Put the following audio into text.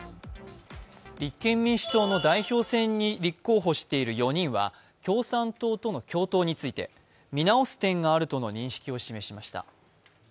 立憲民主党の代表選に立候補している４人は共産党との共闘について、見直す点があるとの認識を示しました。